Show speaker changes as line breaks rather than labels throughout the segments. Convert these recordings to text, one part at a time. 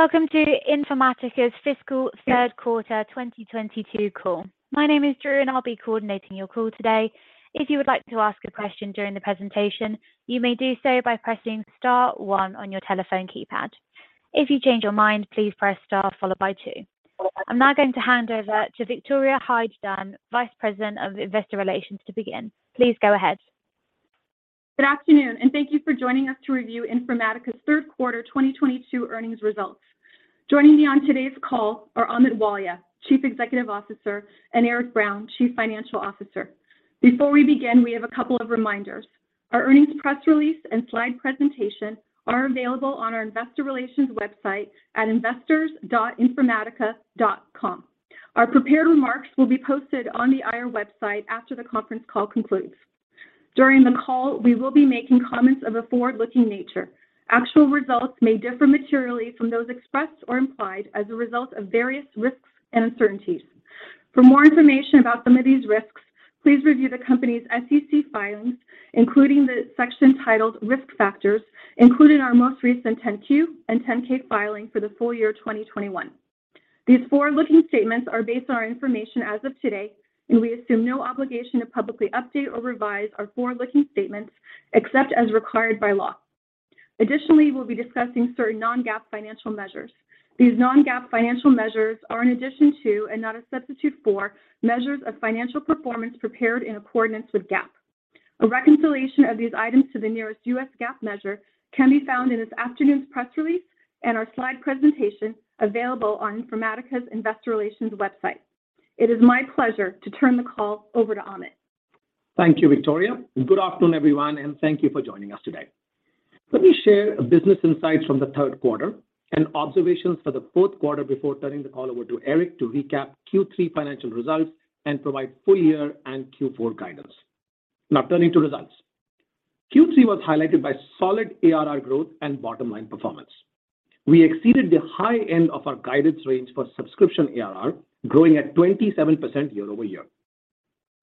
Welcome to Informatica's fiscal third quarter 2022 call. My name is Drew, and I'll be coordinating your call today. If you would like to ask a question during the presentation, you may do so by pressing star one on your telephone keypad. If you change your mind, please press star followed by two. I'm now going to hand over to Victoria Hyde-Dunn, Vice President of Investor Relations, to begin. Please go ahead.
Good afternoon, and thank you for joining us to review Informatica's third quarter 2022 earnings results. Joining me on today's call are Amit Walia, Chief Executive Officer, and Eric Brown, Chief Financial Officer. Before we begin, we have a couple of reminders. Our earnings press release and slide presentation are available on our investor relations website at investors.informatica.com. Our prepared remarks will be posted on the IR website after the conference call concludes. During the call, we will be making comments of a forward-looking nature. Actual results may differ materially from those expressed or implied as a result of various risks and uncertainties. For more information about some of these risks, please review the company's SEC filings, including the section titled Risk Factors included in our most recent 10-Q and 10-K filing for the full year 2021. These forward-looking statements are based on information as of today, and we assume no obligation to publicly update or revise our forward-looking statements except as required by law. Additionally, we'll be discussing certain non-GAAP financial measures. These non-GAAP financial measures are in addition to, and not a substitute for, measures of financial performance prepared in accordance with GAAP. A reconciliation of these items to the nearest U.S. GAAP measure can be found in this afternoon's press release and our slide presentation available on Informatica's Investor Relations website. It is my pleasure to turn the call over to Amit.
Thank you, Victoria, and good afternoon, everyone, and thank you for joining us today. Let me share business insights from the third quarter and observations for the fourth quarter before turning the call over to Eric to recap Q3 financial results and provide full year and Q4 guidance. Now turning to results. Q3 was highlighted by solid ARR growth and bottom-line performance. We exceeded the high end of our guidance range for subscription ARR, growing at 27% year-over-year.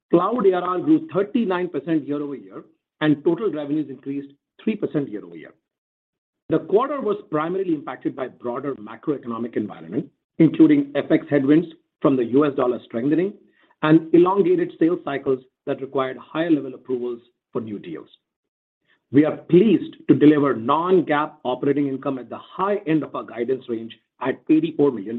Cloud ARR grew 39% year-over-year, and total revenues increased 3% year-over-year. The quarter was primarily impacted by broader macroeconomic environment, including FX headwinds from the US dollar strengthening and elongated sales cycles that required higher level approvals for new deals. We are pleased to deliver non-GAAP operating income at the high end of our guidance range at $84 million.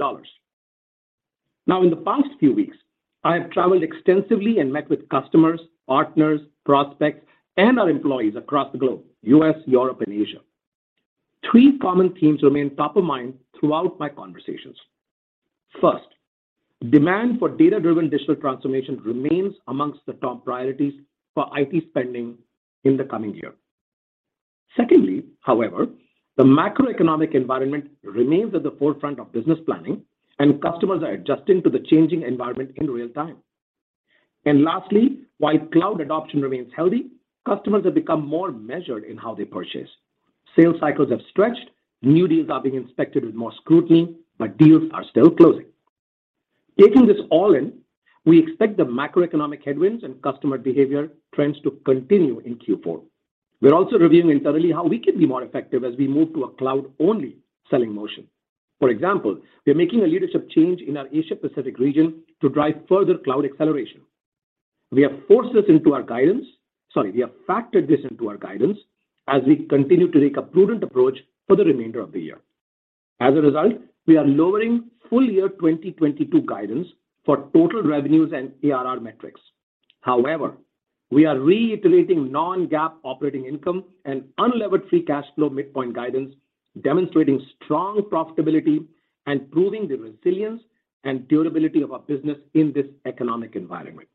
Now in the past few weeks, I have traveled extensively and met with customers, partners, prospects, and our employees across the globe, U.S., Europe, and Asia. Three common themes remain top of mind throughout my conversations. First, demand for data-driven digital transformation remains among the top priorities for IT spending in the coming year. Secondly, however, the macroeconomic environment remains at the forefront of business planning, and customers are adjusting to the changing environment in real time. Lastly, while cloud adoption remains healthy, customers have become more measured in how they purchase. Sales cycles have stretched. New deals are being inspected with more scrutiny, but deals are still closing. Taking this all in, we expect the macroeconomic headwinds and customer behavior trends to continue in Q4. We're also reviewing internally how we can be more effective as we move to a cloud-only selling motion. For example, we are making a leadership change in our Asia Pacific region to drive further cloud acceleration. We have factored this into our guidance as we continue to take a prudent approach for the remainder of the year. As a result, we are lowering full-year 2022 guidance for total revenues and ARR metrics. However, we are reiterating non-GAAP operating income and unlevered free cash flow midpoint guidance, demonstrating strong profitability and proving the resilience and durability of our business in this economic environment.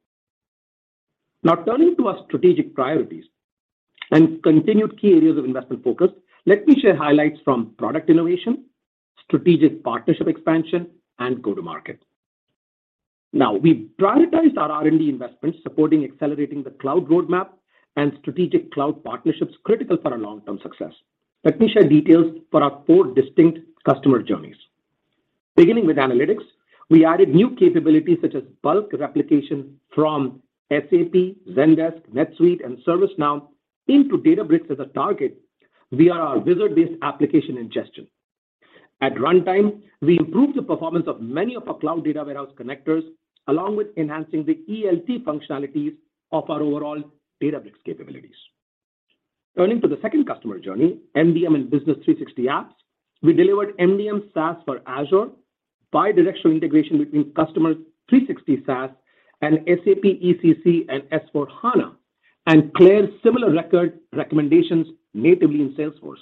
Now turning to our strategic priorities and continued key areas of investment focus, let me share highlights from product innovation, strategic partnership expansion, and go-to-market. Now, we prioritize our R&D investments supporting accelerating the cloud roadmap and strategic cloud partnerships critical for our long-term success. Let me share details for our four distinct customer journeys. Beginning with analytics, we added new capabilities such as bulk replication from SAP, Zendesk, NetSuite, and ServiceNow into Databricks as a target via our wizard-based application ingestion. At runtime, we improved the performance of many of our cloud data warehouse connectors, along with enhancing the ELT functionalities of our overall Databricks capabilities. Turning to the second customer journey, MDM and Business 360 apps, we delivered MDM SaaS for Azure, bi-directional integration between Customer 360 SaaS and SAP ECC and S/4HANA, and CLAIRE similar record recommendations natively in Salesforce.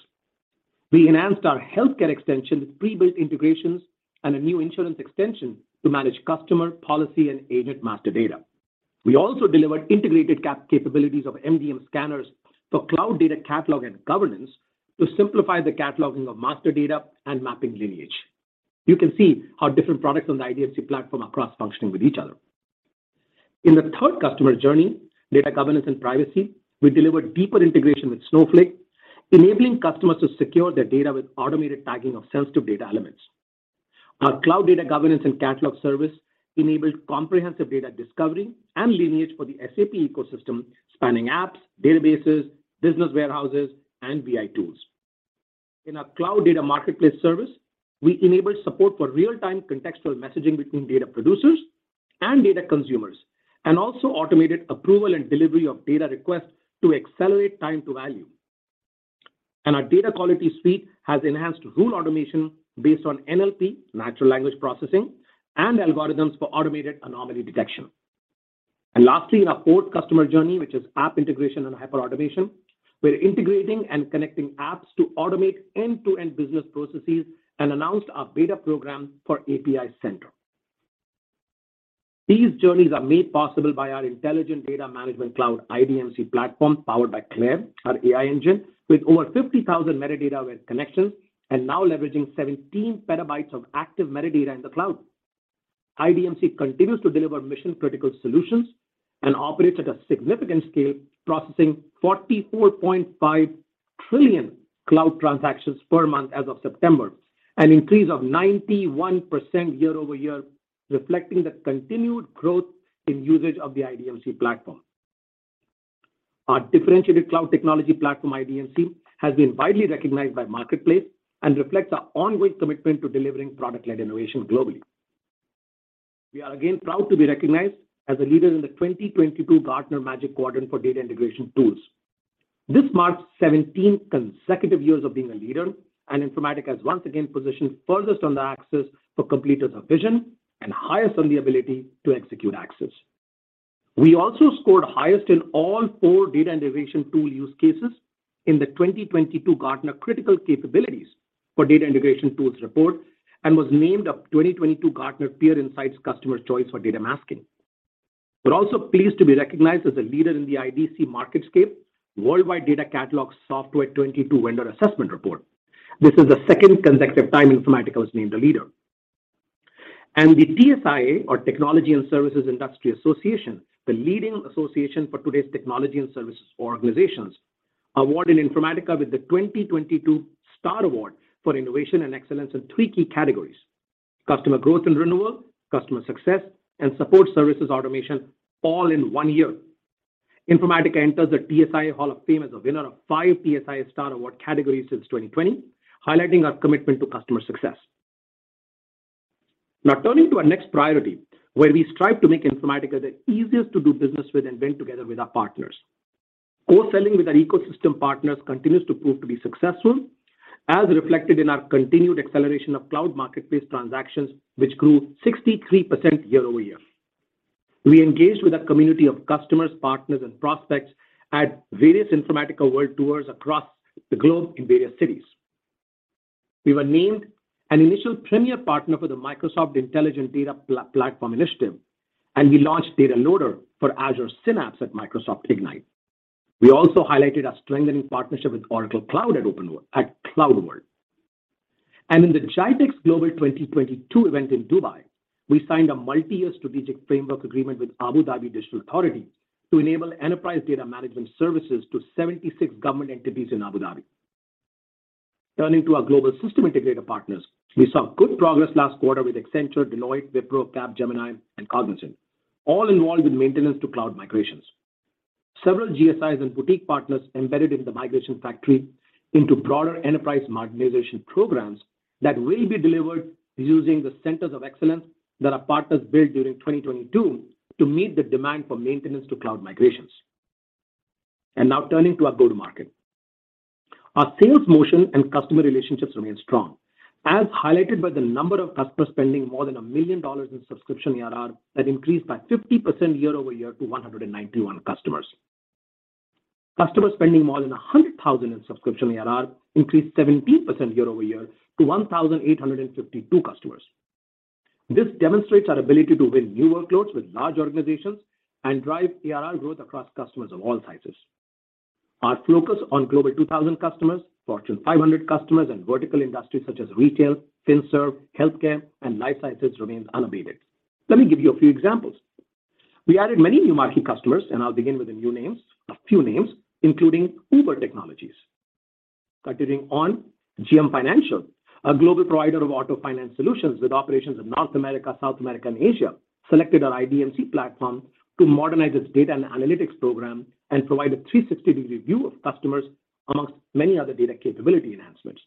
We enhanced our healthcare extension with prebuilt integrations and a new insurance extension to manage customer, policy and agent master data. We also delivered integrated CAP capabilities of MDM scanners for cloud data catalog and governance to simplify the cataloging of master data and mapping lineage. You can see how different products on the IDMC platform are cross-functioning with each other. In the third customer journey, data governance and privacy, we delivered deeper integration with Snowflake, enabling customers to secure their data with automated tagging of sensitive data elements. Our cloud data governance and catalog service enabled comprehensive data discovery and lineage for the SAP ecosystem, spanning apps, databases, business warehouses, and BI tools. In our cloud data marketplace service, we enable support for real-time contextual messaging between data producers and data consumers, and also automated approval and delivery of data requests to accelerate time to value. Our data quality suite has enhanced rule automation based on NLP, Natural Language Processing, and algorithms for automated anomaly detection. Lastly, in our fourth customer journey, which is app integration and hyperautomation, we're integrating and connecting apps to automate end-to-end business processes and announced our beta program for API Center. These journeys are made possible by our Intelligent Data Management Cloud, IDMC platform, powered by CLAIRE, our AI engine, with over 50,000 metadata web connections and now leveraging 17 petabytes of active metadata in the cloud. IDMC continues to deliver mission-critical solutions and operates at a significant scale, processing 44.5 trillion cloud transactions per month as of September. An increase of 91% year-over-year, reflecting the continued growth in usage of the IDMC platform. Our differentiated cloud technology platform, IDMC, has been widely recognized by marketplace and reflects our ongoing commitment to delivering product-led innovation globally. We are again proud to be recognized as a leader in the 2022 Gartner Magic Quadrant for Data Integration Tools. This marks 17 consecutive years of being a leader and Informatica has once again positioned furthest on the axis for completeness of vision and highest on the ability to execute axis. We also scored highest in all four data integration tool use cases in the 2022 Gartner Critical Capabilities for Data Integration Tools report, and was named a 2022 Gartner Peer Insights Customers' Choice for Data Masking. We're also pleased to be recognized as a leader in the IDC MarketScape Worldwide Data Catalog Software 2022 Vendor Assessment report. This is the second consecutive time Informatica was named a leader. The TSIA, or Technology & Services Industry Association, the leading association for today's technology and services organizations, awarded Informatica with the 2022 STAR Award for innovation and excellence in three key categories, customer growth and renewal, customer success, and support services automation all in one year. Informatica enters the TSIA Hall of Fame as a winner of five TSIA STAR Award categories since 2020, highlighting our commitment to customer success. Now, turning to our next priority, where we strive to make Informatica the easiest to do business with and win together with our partners. Co-selling with our ecosystem partners continues to prove to be successful, as reflected in our continued acceleration of cloud marketplace transactions, which grew 63% year-over-year. We engaged with our community of customers, partners, and prospects at various Informatica World Tours across the globe in various cities. We were named an initial premier partner for the Microsoft Intelligent Data Platform Initiative, and we launched Data Loader for Azure Synapse at Microsoft Ignite. We also highlighted our strengthening partnership with Oracle Cloud at CloudWorld. In the GITEX GLOBAL 2022 event in Dubai, we signed a multi-year strategic framework agreement with Abu Dhabi Digital Authority to enable enterprise data management services to 76 government entities in Abu Dhabi. Turning to our global system integrator partners, we saw good progress last quarter with Accenture, Deloitte, Wipro, Capgemini, and Cognizant, all involved with mainframe to cloud migrations. Several GSIs and boutique partners embedded in the migration factory into broader enterprise modernization programs that will be delivered using the centers of excellence that our partners built during 2022 to meet the demand for mainframe to cloud migrations. Now turning to our go-to-market. Our sales motion and customer relationships remain strong, as highlighted by the number of customers spending more than $1 million in subscription ARR that increased by 50% year-over-year to 191 customers. Customers spending more than $100,000 in subscription ARR increased 17% year-over-year to 1,852 customers. This demonstrates our ability to win new workloads with large organizations and drive ARR growth across customers of all sizes. Our focus on Global 2000 customers, Fortune 500 customers and vertical industries such as retail, financial services, healthcare and life sciences remains unabated. Let me give you a few examples. We added many new marquee customers, and I'll begin with a few names, including Uber Technologies. Continuing on, GM Financial, a global provider of auto finance solutions with operations in North America, South America, and Asia, selected our IDMC platform to modernize its data and analytics program and provide a 360-degree view of customers among many other data capability enhancements.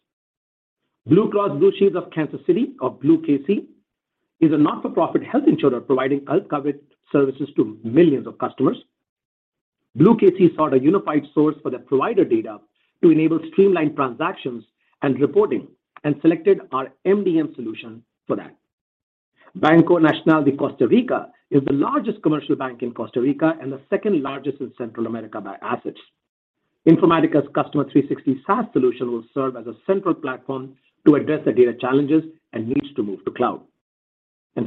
Blue Cross and Blue Shield of Kansas City, or Blue KC, is a not-for-profit health insurer providing health coverage services to millions of customers. Blue KC sought a unified source for their provider data to enable streamlined transactions and reporting, and selected our MDM solution for that. Banco Nacional de Costa Rica is the largest commercial bank in Costa Rica and the second largest in Central America by assets. Informatica's Customer 360 SaaS solution will serve as a central platform to address the data challenges and needs to move to cloud.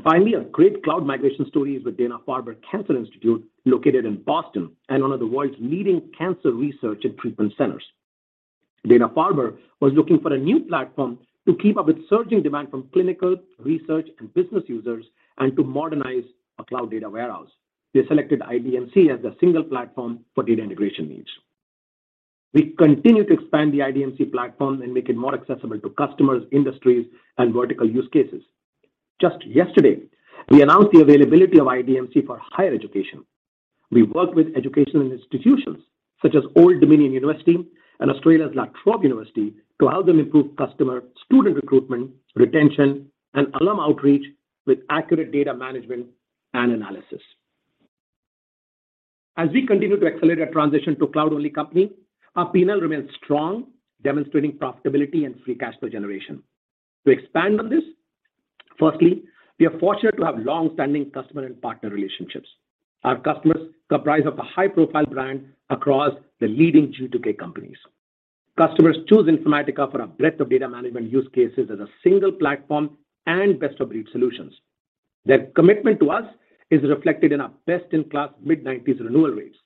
Finally, a great cloud migration story is with Dana-Farber Cancer Institute, located in Boston and one of the world's leading cancer research and treatment centers. Dana-Farber was looking for a new platform to keep up with surging demand from clinical, research, and business users and to modernize a cloud data warehouse. They selected IDMC as their single platform for data integration needs. We continue to expand the IDMC platform and make it more accessible to customers, industries, and vertical use cases. Just yesterday, we announced the availability of IDMC for higher education. We work with educational institutions such as Old Dominion University and Australia's La Trobe University to help them improve customer student recruitment, retention, and alum outreach with accurate data management and analysis. As we continue to accelerate our transition to cloud-only company, our P&L remains strong, demonstrating profitability and free cash flow generation. To expand on this, firstly, we are fortunate to have long-standing customer and partner relationships. Our customers comprise of the high-profile brand across the leading G2K companies. Customers choose Informatica for a breadth of data management use cases as a single platform and best-of-breed solutions. Their commitment to us is reflected in our best-in-class mid-90s% renewal rates.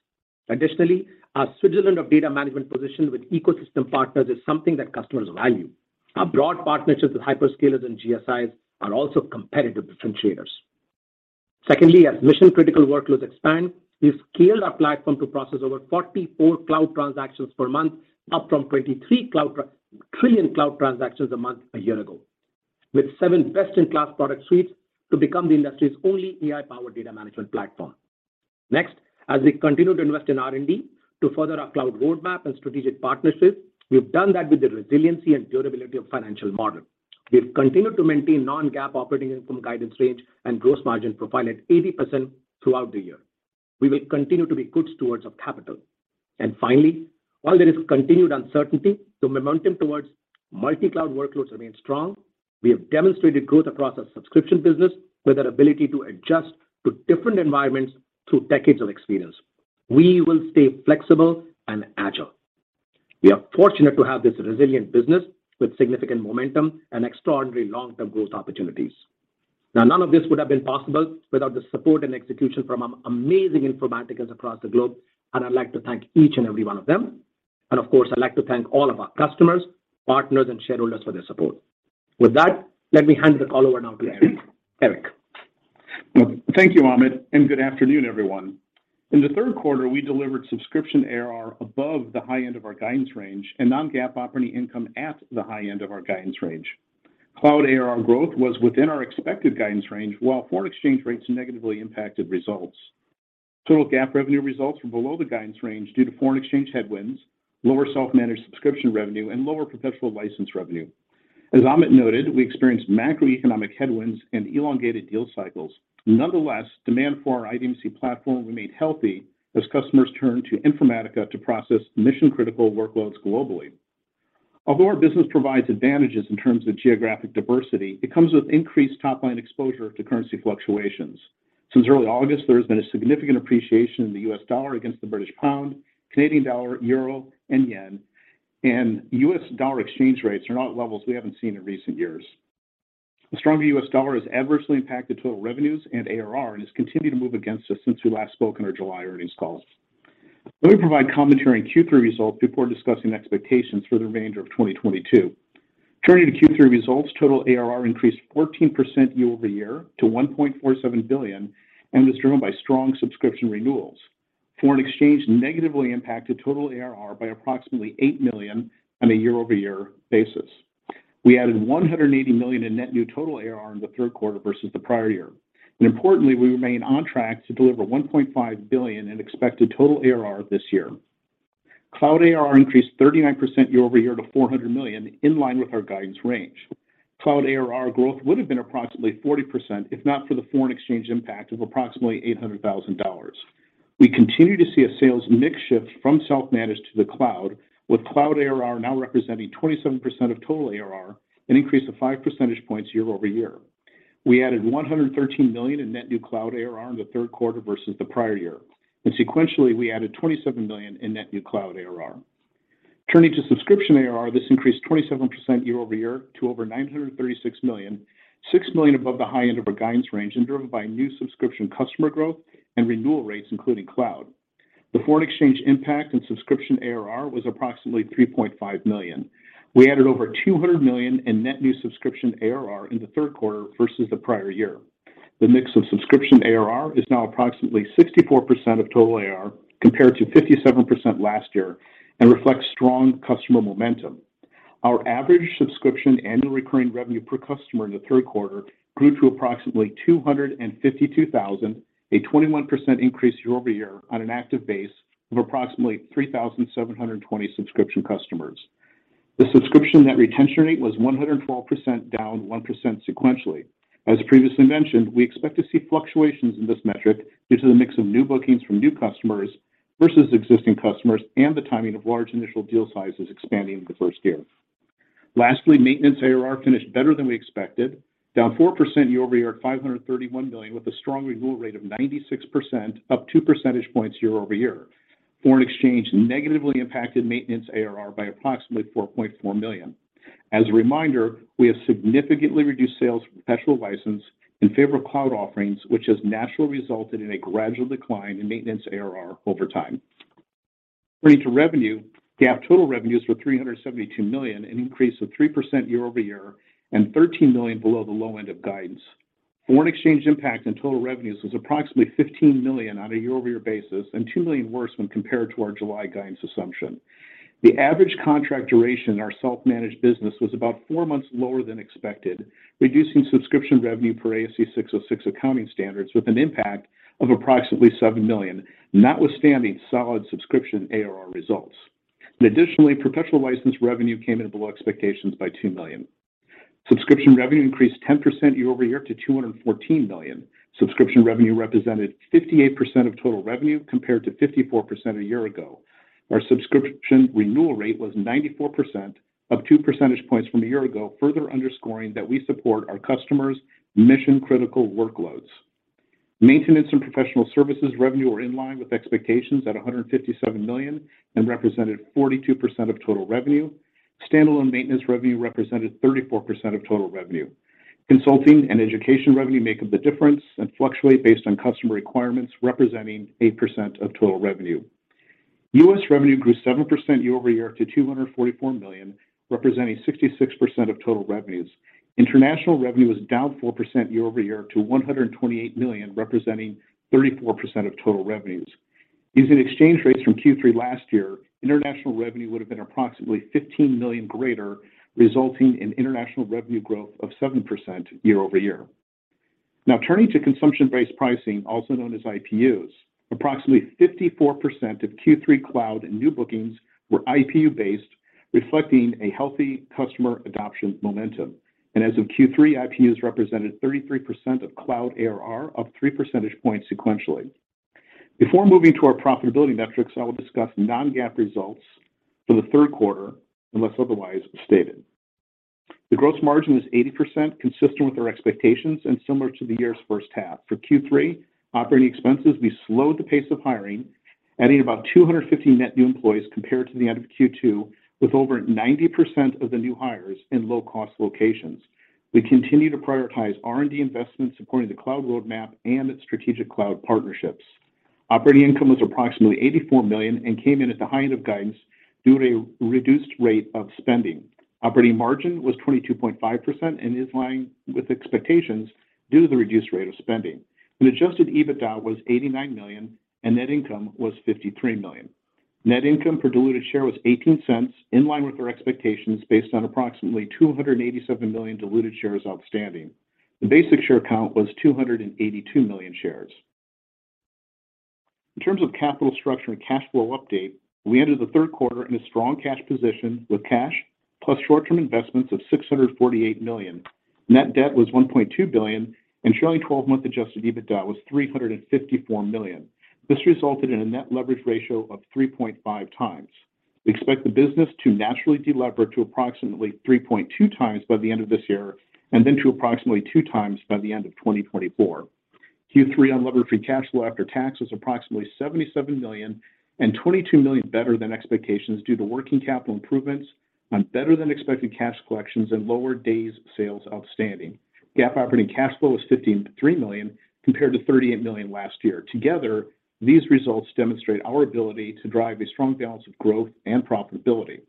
Additionally, our Switzerland of data management positions with ecosystem partners is something that customers value. Our broad partnerships with hyperscalers and GSIs are also competitive differentiators. Secondly, as mission-critical workloads expand, we've scaled our platform to process over 44 trillion cloud transactions per month, up from 23 trillion cloud transactions a month a year ago. With seven best-in-class product suites to become the industry's only AI-powered data management platform. Next, as we continue to invest in R&D to further our cloud roadmap and strategic partnerships, we've done that with the resiliency and durability of financial model. We've continued to maintain non-GAAP operating income guidance range and gross margin profile at 80% throughout the year. We will continue to be good stewards of capital. Finally, while there is continued uncertainty, the momentum towards multi-cloud workloads remain strong. We have demonstrated growth across our subscription business with our ability to adjust to different environments through decades of experience. We will stay flexible and agile. We are fortunate to have this resilient business with significant momentum and extraordinary long-term growth opportunities. Now, none of this would have been possible without the support and execution from our amazing Informaticans across the globe, and I'd like to thank each and every one of them. Of course, I'd like to thank all of our customers, partners, and shareholders for their support. With that, let me hand the call over now to Eric. Eric?
Thank you, Amit, and good afternoon, everyone. In the third quarter, we delivered subscription ARR above the high end of our guidance range and non-GAAP operating income at the high end of our guidance range. Cloud ARR growth was within our expected guidance range, while foreign exchange rates negatively impacted results. Total GAAP revenue results were below the guidance range due to foreign exchange headwinds, lower self-managed subscription revenue, and lower perpetual license revenue. As Amit noted, we experienced macroeconomic headwinds and elongated deal cycles. Nonetheless, demand for our IDMC platform remained healthy as customers turned to Informatica to process mission-critical workloads globally. Although our business provides advantages in terms of geographic diversity, it comes with increased top-line exposure to currency fluctuations. Since early August, there has been a significant appreciation in the US dollar against the British pound, Canadian dollar, euro, and yen, and US dollar exchange rates are now at levels we haven't seen in recent years. The stronger US dollar has adversely impacted total revenues and ARR and has continued to move against us since we last spoke on our July earnings call. Let me provide commentary on Q3 results before discussing expectations for the remainder of 2022. Turning to Q3 results, total ARR increased 14% year-over-year to $1.47 billion and was driven by strong subscription renewals. Foreign exchange negatively impacted total ARR by approximately $8 million on a year-over-year basis. We added $180 million in net new total ARR in the third quarter versus the prior year. Importantly, we remain on track to deliver $1.5 billion in expected total ARR this year. Cloud ARR increased 39% year-over-year to $400 million, in line with our guidance range. Cloud ARR growth would have been approximately 40% if not for the foreign exchange impact of approximately $800,000. We continue to see a sales mix shift from self-managed to the cloud, with cloud ARR now representing 27% of total ARR, an increase of 5 percentage points year-over-year. We added $113 million in net new cloud ARR in the third quarter versus the prior year. Sequentially, we added $27 million in net new cloud ARR. Turning to subscription ARR, this increased 27% year-over-year to over $936 million, $6 million above the high end of our guidance range and driven by new subscription customer growth and renewal rates, including cloud. The foreign exchange impact in subscription ARR was approximately $3.5 million. We added over $200 million in net new subscription ARR in the third quarter versus the prior year. The mix of subscription ARR is now approximately 64% of total ARR compared to 57% last year and reflects strong customer momentum. Our average subscription annual recurring revenue per customer in the third quarter grew to approximately $252 thousand, a 21% increase year-over-year on an active base of approximately 3,720 subscription customers. The subscription net retention rate was 112%, down 1% sequentially. As previously mentioned, we expect to see fluctuations in this metric due to the mix of new bookings from new customers versus existing customers and the timing of large initial deal sizes expanding in the first year. Lastly, maintenance ARR finished better than we expected, down 4% year-over-year at $531 million, with a strong renewal rate of 96%, up 2 percentage points year-over-year. Foreign exchange negatively impacted maintenance ARR by approximately $4.4 million. As a reminder, we have significantly reduced sales from perpetual license in favor of cloud offerings, which has naturally resulted in a gradual decline in maintenance ARR over time. Turning to revenue, GAAP total revenues were $372 million, an increase of 3% year-over-year and $13 million below the low end of guidance. Foreign exchange impact on total revenues was approximately $15 million on a year-over-year basis, and $2 million worse when compared to our July guidance assumption. The average contract duration in our self-managed business was about four months lower than expected, reducing subscription revenue for ASC 606 accounting standards with an impact of approximately $7 million, notwithstanding solid subscription ARR results. Additionally, perpetual license revenue came in below expectations by $2 million. Subscription revenue increased 10% year-over-year to $214 million. Subscription revenue represented 58% of total revenue compared to 54% a year ago. Our subscription renewal rate was 94%, up 2 percentage points from a year ago, further underscoring that we support our customers' mission-critical workloads. Maintenance and professional services revenue were in line with expectations at $157 million and represented 42% of total revenue. Standalone maintenance revenue represented 34% of total revenue. Consulting and education revenue make up the difference and fluctuate based on customer requirements, representing 8% of total revenue. U.S. revenue grew 7% year-over-year to $244 million, representing 66% of total revenues. International revenue was down 4% year-over-year to $128 million, representing 34% of total revenues. Using exchange rates from Q3 last year, international revenue would have been approximately $15 million greater, resulting in international revenue growth of 7% year-over-year. Now turning to consumption-based pricing, also known as IPUs. Approximately 54% of Q3 Cloud new bookings were IPU-based, reflecting a healthy customer adoption momentum. As of Q3, IPUs represented 33% of cloud ARR, up three percentage points sequentially. Before moving to our profitability metrics, I will discuss non-GAAP results for the third quarter unless otherwise stated. The gross margin is 80% consistent with our expectations and similar to the year's first half. For Q3 operating expenses, we slowed the pace of hiring, adding about 215 net new employees compared to the end of Q2, with over 90% of the new hires in low-cost locations. We continue to prioritize R&D investments supporting the cloud roadmap and its strategic cloud partnerships. Operating income was approximately $84 million and came in at the high end of guidance due to a reduced rate of spending. Operating margin was 22.5% and is in line with expectations due to the reduced rate of spending. Adjusted EBITDA was $89 million, and net income was $53 million. Net income per diluted share was $0.18, in line with our expectations based on approximately 287 million diluted shares outstanding. The basic share count was 282 million shares. In terms of capital structure and cash flow update, we entered the third quarter in a strong cash position with cash plus short-term investments of $648 million. Net debt was $1.2 billion. LTM adjusted EBITDA was $354 million. This resulted in a net leverage ratio of 3.5x. We expect the business to naturally delever to approximately 3.2x by the end of this year and then to approximately 2x by the end of 2024. Q3 unlevered free cash flow after tax was approximately $77 million and $22 million better than expectations due to working capital improvements on better than expected cash collections and lower days sales outstanding. GAAP operating cash flow was $53 million compared to $38 million last year. Together, these results demonstrate our ability to drive a strong balance of growth and profitability.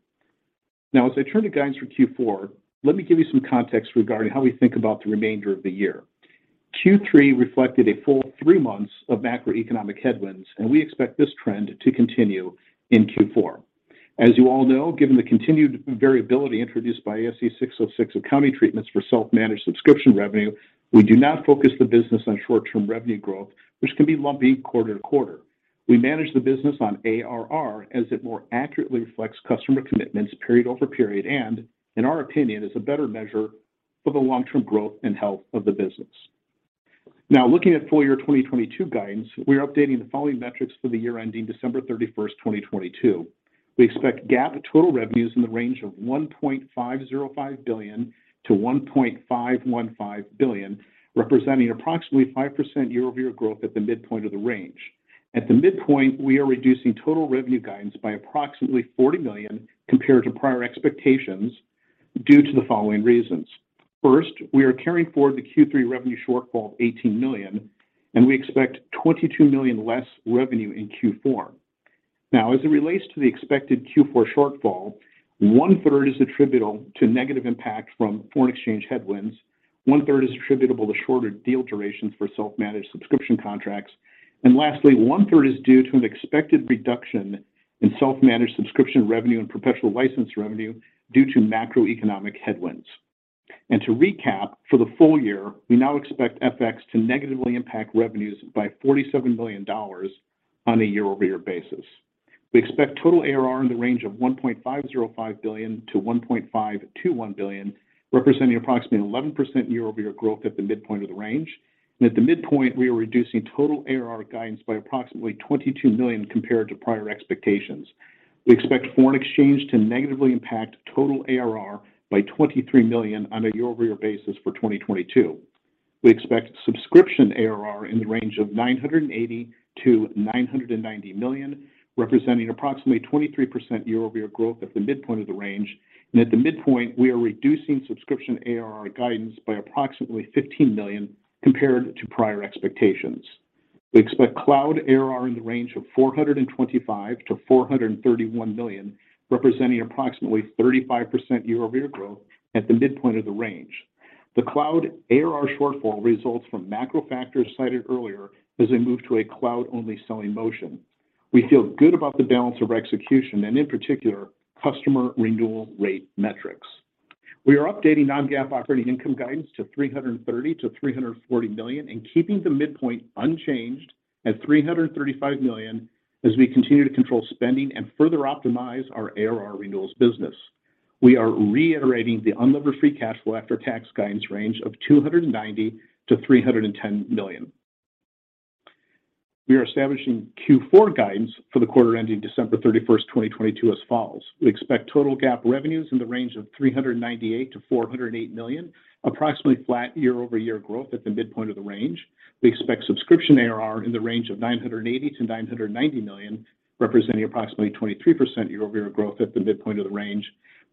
Now, as I turn to guidance for Q4, let me give you some context regarding how we think about the remainder of the year. Q3 reflected a full three months of macroeconomic headwinds, and we expect this trend to continue in Q4. As you all know, given the continued variability introduced by ASC 606 accounting treatments for self-managed subscription revenue, we do not focus the business on short-term revenue growth, which can be lumpy quarter to quarter. We manage the business on ARR as it more accurately reflects customer commitments period over period, and in our opinion, is a better measure for the long-term growth and health of the business. Now looking at full year 2022 guidance, we are updating the following metrics for the year ending December 31, 2022. We expect GAAP total revenues in the range of $1.505 billion-$1.515 billion, representing approximately 5% year-over-year growth at the midpoint of the range. At the midpoint, we are reducing total revenue guidance by approximately $40 million compared to prior expectations due to the following reasons. First, we are carrying forward the Q3 revenue shortfall of $18 million, and we expect $22 million less revenue in Q4. Now, as it relates to the expected Q4 shortfall, one-third is attributable to negative impact from foreign exchange headwinds. One-third is attributable to shorter deal durations for self-managed subscription contracts. Lastly, one-third is due to an expected reduction in self-managed subscription revenue and professional license revenue due to macroeconomic headwinds. To recap, for the full year, we now expect FX to negatively impact revenues by $47 million on a year-over-year basis. We expect total ARR in the range of $1.505 billion-$1.521 billion, representing approximately 11% year-over-year growth at the midpoint of the range. At the midpoint, we are reducing total ARR guidance by approximately $22 million compared to prior expectations. We expect foreign exchange to negatively impact total ARR by $23 million on a year-over-year basis for 2022. We expect subscription ARR in the range of $980 million-$990 million, representing approximately 23% year-over-year growth at the midpoint of the range. At the midpoint, we are reducing subscription ARR guidance by approximately $15 million compared to prior expectations. We expect cloud ARR in the range of $425 million-$431 million, representing approximately 35% year-over-year growth at the midpoint of the range. The cloud ARR shortfall results from macro factors cited earlier as they move to a cloud-only selling motion. We feel good about the balance of our execution and in particular, customer renewal rate metrics. We are updating non-GAAP operating income guidance to $330 million-$340 million, and keeping the midpoint unchanged at $335 million as we continue to control spending and further optimize our ARR renewals business. We are reiterating the unlevered free cash flow after-tax guidance range of $290 million-$310 million. We are establishing Q4 guidance for the quarter ending December 31, 2022 as follows. We expect total GAAP revenues in the range of $398 million-$408 million, approximately flat year-over-year growth at the midpoint of the range. We expect subscription ARR in the range of $980 million-$990 million, representing approximately 23% year-over-year growth at the midpoint of the range.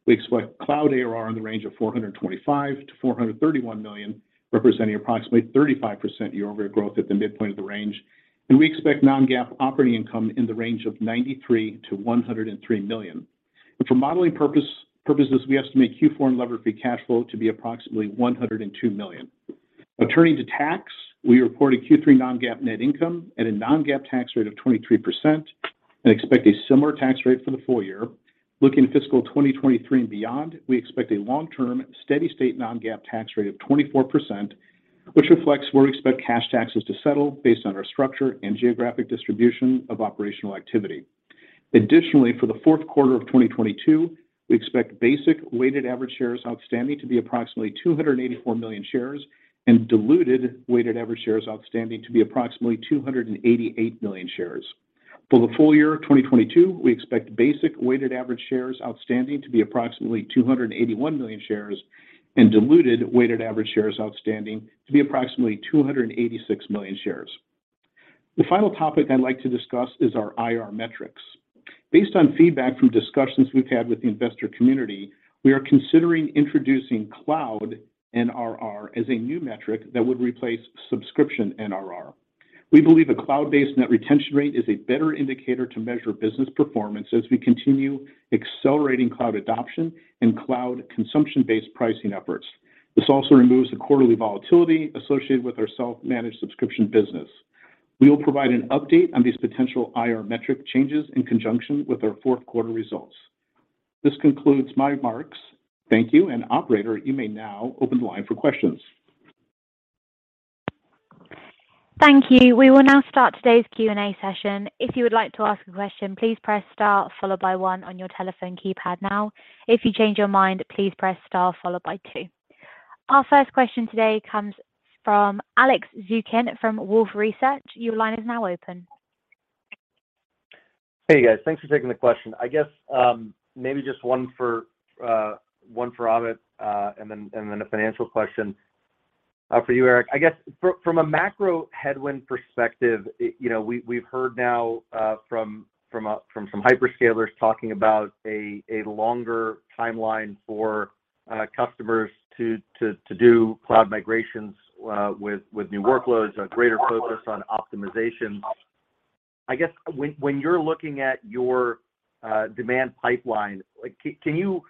We expect cloud ARR in the range of $425 million-$431 million, representing approximately 35% year-over-year growth at the midpoint of the range. We expect non-GAAP operating income in the range of $93 million-$103 million. For modeling purposes, we estimate Q4 unlevered free cash flow to be approximately $102 million. Now turning to tax, we reported Q3 non-GAAP net income at a non-GAAP tax rate of 23% and expect a similar tax rate for the full year. Looking at fiscal 2023 and beyond, we expect a long-term steady-state non-GAAP tax rate of 24%, which reflects where we expect cash taxes to settle based on our structure and geographic distribution of operational activity. Additionally, for the fourth quarter of 2022, we expect basic weighted average shares outstanding to be approximately 284 million shares, and diluted weighted average shares outstanding to be approximately 288 million shares. For the full year of 2022, we expect basic weighted average shares outstanding to be approximately 281 million shares, and diluted weighted average shares outstanding to be approximately 286 million shares. The final topic I'd like to discuss is our IR metrics. Based on feedback from discussions we've had with the investor community, we are considering introducing Cloud NRR as a new metric that would replace subscription NRR. We believe a cloud-based net retention rate is a better indicator to measure business performance as we continue accelerating cloud adoption and cloud consumption-based pricing efforts. This also removes the quarterly volatility associated with our self-managed subscription business. We will provide an update on these potential IR metric changes in conjunction with our fourth quarter results. This concludes my remarks. Thank you, and operator, you may now open the line for questions.
Thank you. We will now start today's Q&A session. If you would like to ask a question, please press star followed by one on your telephone keypad now. If you change your mind, please press star followed by two. Our first question today comes from Alex Zukin from Wolfe Research. Your line is now open.
Hey, guys. Thanks for taking the question. I guess maybe just one for Amit and then a financial question for you, Eric. I guess from a macro headwind perspective, you know, we've heard now from some hyperscalers talking about a longer timeline for customers to do cloud migrations with new workloads, a greater focus on optimization. I guess when you're looking at your demand pipeline, like, can you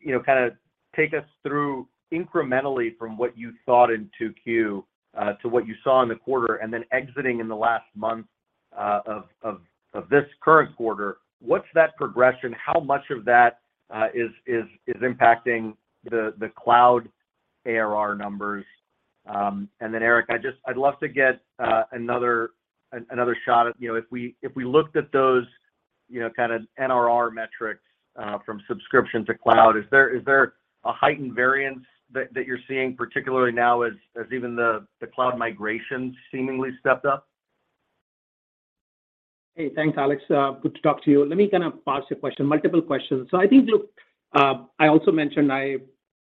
you know, kinda take us through incrementally from what you thought in 2Q to what you saw in the quarter, and then exiting in the last month of this current quarter? What's that progression? How much of that is impacting the cloud ARR numbers? Then Eric, I'd love to get another shot at, you know, if we looked at those, you know, kind of NRR metrics from subscription to cloud, is there a heightened variance that you're seeing, particularly now as even the cloud migrations seemingly stepped up?
Hey, thanks, Alex. Good to talk to you. Let me kind of parse your question, multiple questions. I think, look, I also mentioned I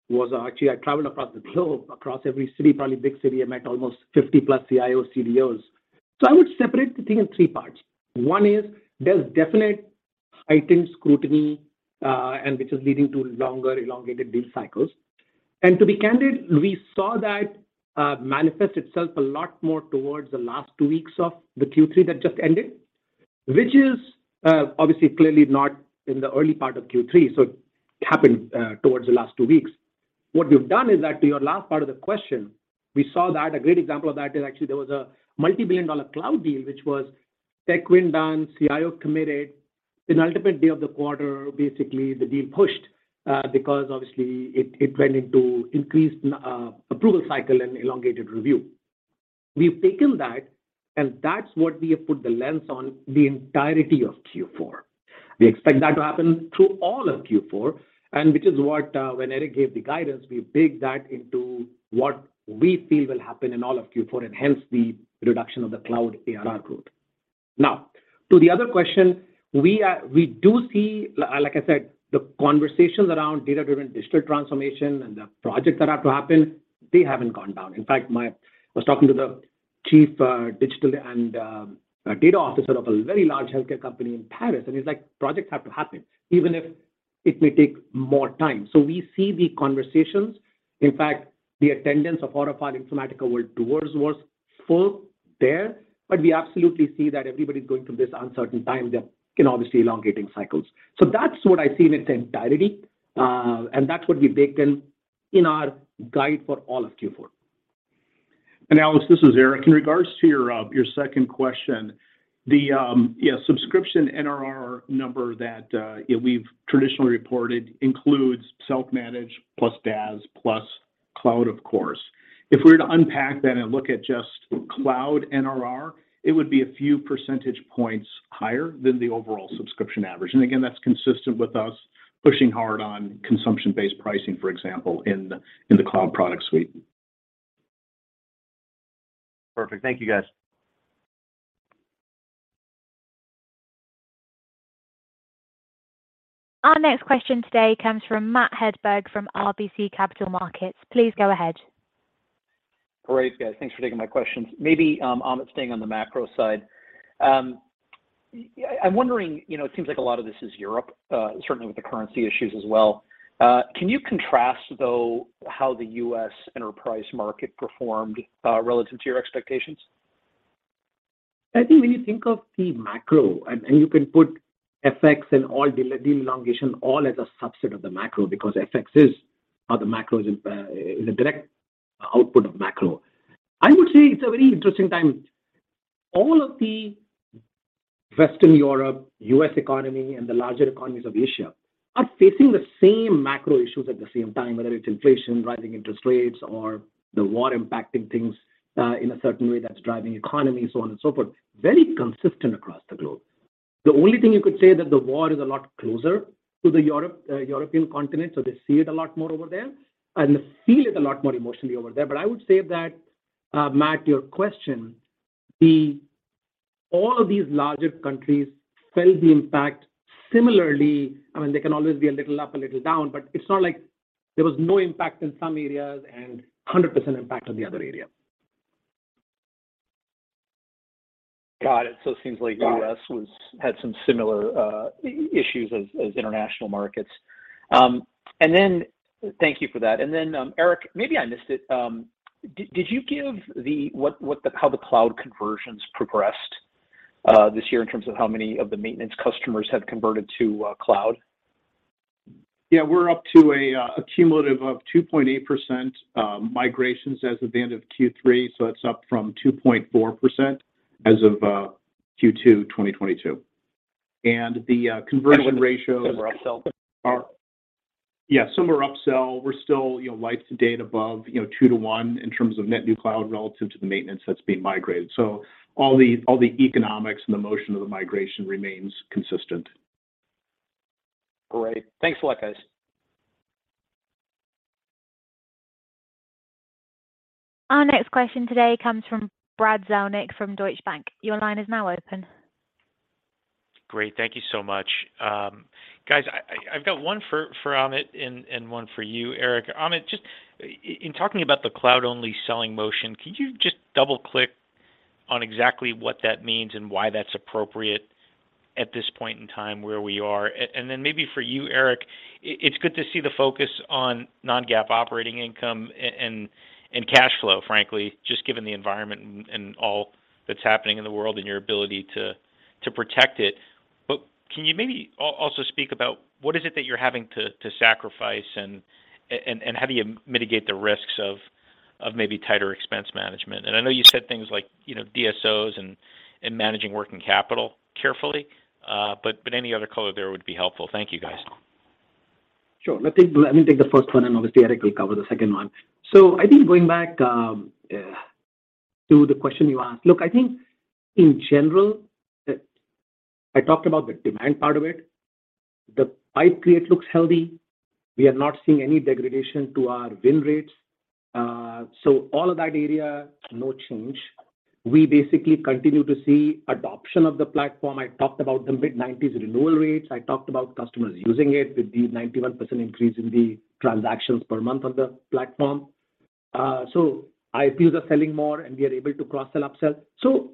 was actually I traveled across the globe, across every city, probably big city. I met almost 50+ CIOs, CDOs. I would separate the thing in three parts. One is there's definite heightened scrutiny, and which is leading to longer elongated deal cycles. To be candid, we saw that manifest itself a lot more towards the last two weeks of the Q3 that just ended, which is obviously clearly not in the early part of Q3. It happened towards the last two weeks. What we've done is actually your last part of the question, we saw that. A great example of that is actually there was a multi-billion dollar cloud deal, which was tech win done, CIO committed. The ultimate day of the quarter, basically the deal pushed, because obviously it went into increased approval cycle and elongated review. We've taken that, and that's what we have put the lens on the entirety of Q4. We expect that to happen through all of Q4, and which is what, when Eric gave the guidance, we baked that into what we feel will happen in all of Q4, and hence the reduction of the cloud ARR growth. Now, to the other question, we do see, like I said, the conversations around data-driven digital transformation and the projects that have to happen. They haven't gone down. In fact, I was talking to the Chief Digital and Data Officer of a very large healthcare company in Paris, and he's like, "Projects have to happen even if It may take more time. We see the conversations. In fact, the attendance of our Informatica World Tours was full there, but we absolutely see that everybody's going through this uncertain time that can obviously elongating cycles. That's what I see in its entirety, and that's what we've baked in our guidance for all of Q4.
Alex, this is Eric. In regards to your second question, the subscription NRR number that we've traditionally reported includes self-managed plus DaaS plus cloud, of course. If we were to unpack that and look at just cloud NRR, it would be a few percentage points higher than the overall subscription average. Again, that's consistent with us pushing hard on consumption-based pricing, for example, in the cloud product suite.
Perfect. Thank you, guys.
Our next question today comes from Matthew Hedberg from RBC Capital Markets. Please go ahead.
Great, guys. Thanks for taking my questions. Maybe, Amit, staying on the macro side. I'm wondering, you know, it seems like a lot of this is Europe, certainly with the currency issues as well. Can you contrast, though, how the U.S. enterprise market performed relative to your expectations?
I think when you think of the macro, and you can put FX and all deal elongation all as a subset of the macro because FX is how the macro is a direct output of macro. I would say it's a very interesting time. All of the Western Europe, U.S. economy, and the larger economies of Asia are facing the same macro issues at the same time, whether it's inflation, rising interest rates, or the war impacting things, in a certain way that's driving economy, so on and so forth. Very consistent across the globe. T he only thing you could say that the war is a lot closer to the European continent, so they see it a lot more over there and feel it a lot more emotionally over there. I would say that, Matt, your question, all of these larger countries felt the impact similarly. I mean, they can always be a little up, a little down, but it's not like there was no impact in some areas and hundred percent impact on the other area.
Got it.
Got it.
U.S. had some similar issues as international markets. Thank you for that. Eric, maybe I missed it. Did you give how the cloud conversions progressed this year in terms of how many of the maintenance customers have converted to cloud?
Yeah. We're up to a cumulative of 2.8% migrations as of the end of Q3, so that's up from 2.4% as of Q2, 2022. The conversion ratios-
Similar upsell.
Yeah, similar upsell. We're still, you know, YTD above, you know, 2 to 1 in terms of net new cloud relative to the maintenance that's being migrated. All the economics and the motion of the migration remains consistent.
Great. Thanks a lot, guys.
Our next question today comes from Brad Zelnick from Deutsche Bank. Your line is now open.
Great. Thank you so much. Guys, I've got one for Amit and one for you, Eric. Amit, just in talking about the cloud-only selling motion, could you just double-click on exactly what that means and why that's appropriate at this point in time where we are? Maybe for you, Eric, it's good to see the focus on non-GAAP operating income and cash flow, frankly, just given the environment and all that's happening in the world and your ability to protect it. Can you maybe also speak about what is it that you're having to sacrifice and how do you mitigate the risks of maybe tighter expense management? I know you said things like, you know, DSOs and managing working capital carefully, but any other color there would be helpful. Thank you, guys.
Sure. Let me take the first one and obviously Eric will cover the second one. I think going back to the question you asked. Look, I think in general, I talked about the demand part of it. The pipeline looks healthy. We are not seeing any degradation to our win rates. All of that area, no change. We basically continue to see adoption of the platform. I talked about the mid-90s renewal rates. I talked about customers using it with the 91% increase in the transactions per month on the platform. IPUs are selling more, and we are able to cross-sell, upsell.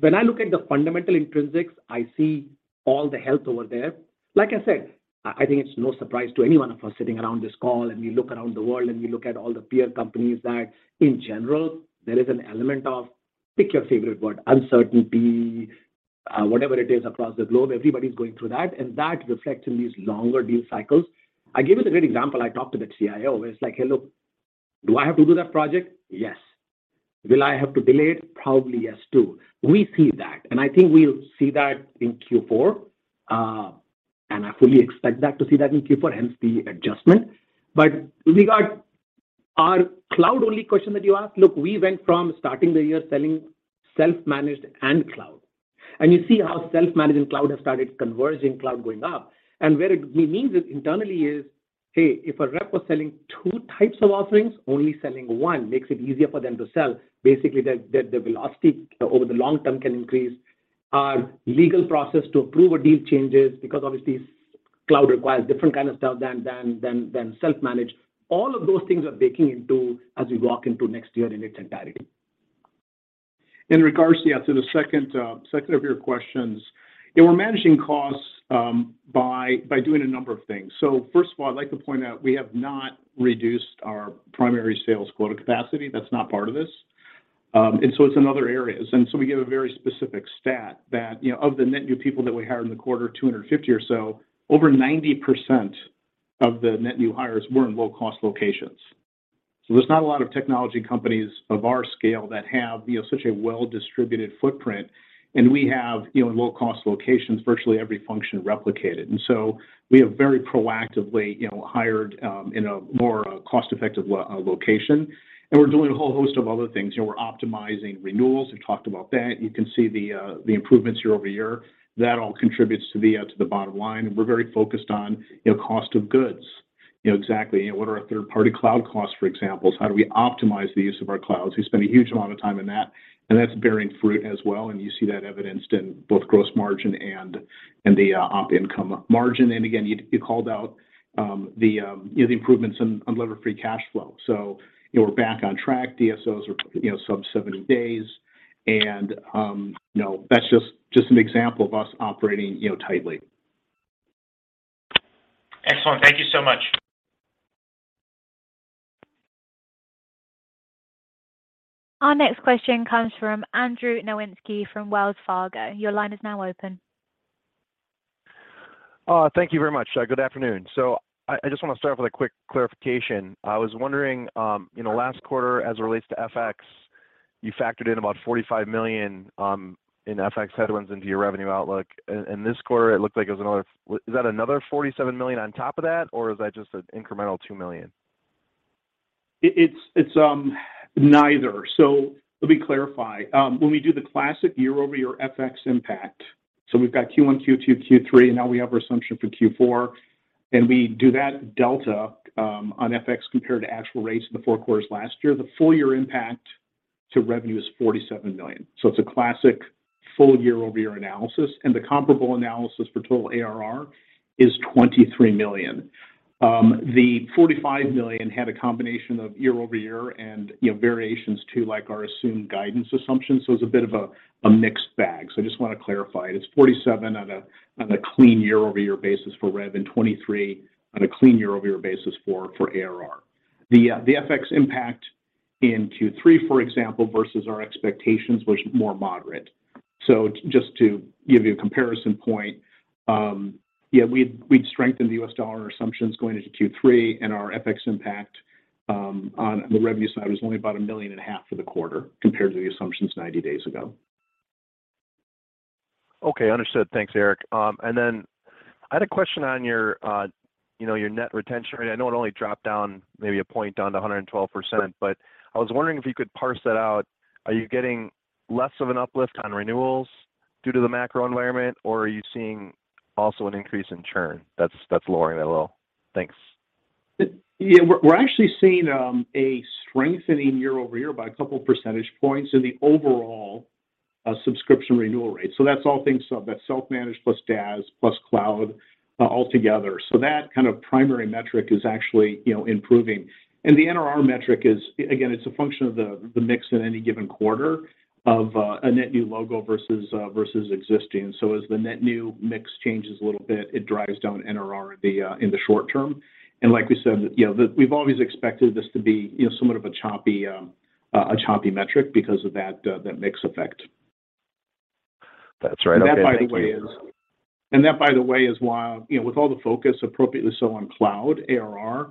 When I look at the fundamental intrinsics, I see all the health over there. Like I said, I think it's no surprise to any one of us sitting around this call, and we look around the world, and we look at all the peer companies that in general, there is an element of pick your favorite word, uncertainty, whatever it is across the globe, everybody's going through that, and that reflects in these longer deal cycles. I'll give you a great example. I talked to the CIO, and it's like, "Hey, look, do I have to do that project? Yes. Will I have to delay it? Probably yes, too." We see that, and I think we'll see that in Q4, and I fully expect to see that in Q4, hence the adjustment. But regarding our cloud-only question that you asked. Look, we went from starting the year selling self-managed and cloud. You see how self-managed and cloud have started converging, cloud going up. What it means internally is, hey, if a rep was selling two types of offerings, only selling one makes it easier for them to sell. Basically, the velocity over the long term can increase. Our legal process to approve a deal changes because obviously cloud requires different kind of stuff than self-managed. All of those things are baking in as we walk into next year in its entirety.
In regards to the second of your questions, we're managing costs by doing a number of things. First of all, I'd like to point out we have not reduced our primary sales quota capacity. That's not part of this. It's in other areas. We give a very specific stat that, you know, of the net new people that we hired in the quarter, 250 or so, over 90% of the net new hires were in low-cost locations. There's not a lot of technology companies of our scale that have, you know, such a well-distributed footprint, and we have, you know, in low-cost locations, virtually every function replicated. We have very proactively, you know, hired in a more cost-effective location. We're doing a whole host of other things. You know, we're optimizing renewals. We've talked about that. You can see the improvements year-over-year. That all contributes to the bottom line. We're very focused on, you know, cost of goods. You know exactly, what are our third-party cloud costs, for example. How do we optimize the use of our clouds? We spend a huge amount of time in that, and that's bearing fruit as well, and you see that evidenced in both gross margin and the operating income margin. Again, you called out the improvements in unlevered free cash flow. You know, we're back on track. DSOs are, you know, sub 70 days and, you know, that's just an example of us operating, you know, tightly.
Excellent. Thank you so much.
Our next question comes from Andrew Nowinski from Wells Fargo. Your line is now open.
Thank you very much. Good afternoon. I just wanna start with a quick clarification. I was wondering, you know, last quarter as it relates to FX, you factored in about $45 million in FX headwinds into your revenue outlook. In this quarter, it looked like it was another. Is that another $47 million on top of that, or is that just an incremental $2 million?
It's neither. Let me clarify. When we do the classic year-over-year FX impact, we've got Q1, Q2, Q3, now we have our assumption for Q4, and we do that delta on FX compared to actual rates in the four quarters last year. The full year impact to revenue is $47 million. It's a classic full year-over-year analysis, and the comparable analysis for total ARR is $23 million. The $45 million had a combination of year-over-year and, you know, variations too, like our assumed guidance assumptions. It's a bit of a mixed bag. I just wanna clarify. It's $47 on a clean year-over-year basis for rev and $23 on a clean year-over-year basis for ARR. The FX impact in Q3, for example, versus our expectations was more moderate. Just to give you a comparison point, we'd strengthened the US dollar assumptions going into Q3, and our FX impact on the revenue side was only about $1.5 million for the quarter compared to the assumptions 90 days ago.
Okay. Understood. Thanks, Eric. I had a question on your, you know, your net retention rate. I know it only dropped down maybe a point down to 112%, but I was wondering if you could parse that out. Are you getting less of an uplift on renewals due to the macro environment, or are you seeing also an increase in churn that's lowering that a little? Thanks.
Yeah. We're actually seeing a strengthening year-over-year by a couple percentage points in the overall subscription renewal rate. That's all things sub. That's self-managed plus DaaS plus cloud all together. That kind of primary metric is actually, you know, improving. The NRR metric is, again, it's a function of the mix in any given quarter of a net new logo versus existing. As the net new mix changes a little bit, it drives down NRR in the short term. Like we said, you know, we've always expected this to be, you know, somewhat of a choppy metric because of that mix effect.
That's right. Okay. Thank you.
That, by the way, is why, you know, with all the focus appropriately so on cloud ARR,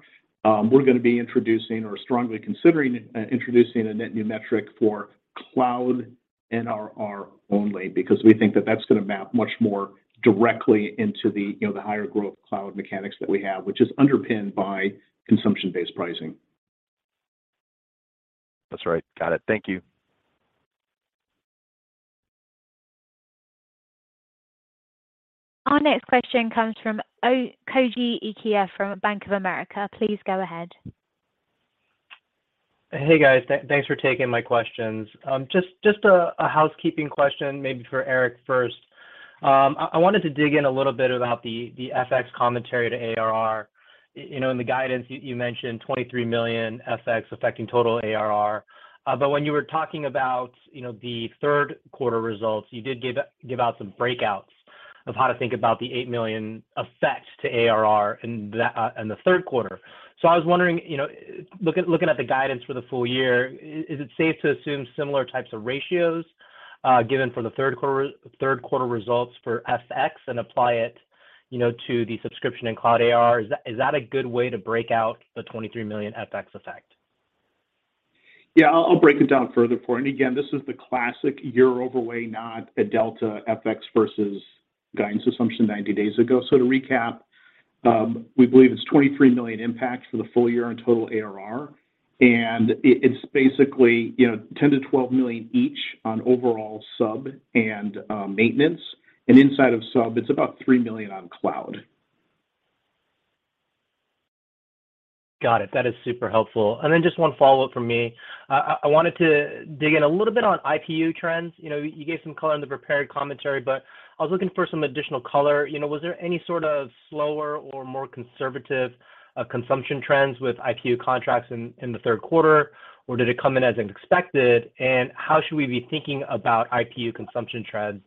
we're gonna be introducing or strongly considering introducing a net new metric for cloud NRR only because we think that that's gonna map much more directly into the, you know, the higher growth cloud mechanics that we have, which is underpinned by consumption-based pricing.
That's right. Got it. Thank you.
Our next question comes from Koji Ikeda from Bank of America. Please go ahead.
Hey, guys. Thanks for taking my questions. Just a housekeeping question maybe for Eric first. I wanted to dig in a little bit about the FX commentary to ARR. You know, in the guidance you mentioned $23 million FX affecting total ARR. But when you were talking about, you know, the third quarter results, you did give out some breakouts of how to think about the $8 million effect to ARR in that, in the third quarter. I was wondering, you know, looking at the guidance for the full year, is it safe to assume similar types of ratios, given for the third quarter results for FX and apply it, you know, to the subscription and cloud ARR? Is that a good way to break out the $23 million FX effect?
I'll break it down further for you. Again, this is the classic year-over-year, a delta FX versus guidance assumption 90 days ago. To recap, we believe it's $23 million impact for the full year on total ARR, and it's basically, you know, $10 million-$12 million each on overall sub and maintenance. Inside of sub, it's about $3 million on cloud.
Got it. That is super helpful. Just one follow-up from me. I wanted to dig in a little bit on IPU trends. You know, you gave some color in the prepared commentary, but I was looking for some additional color. You know, was there any sort of slower or more conservative consumption trends with IPU contracts in the third quarter, or did it come in as expected? How should we be thinking about IPU consumption trends